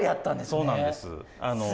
そうなんです。